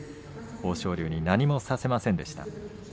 豊昇龍に何もさせませんでした。